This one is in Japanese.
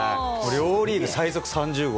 両リーグ最速３０号。